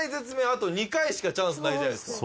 あと２回しかチャンスないじゃないですか。